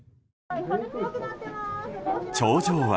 頂上は。